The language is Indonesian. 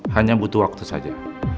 hanya butuh waktu saja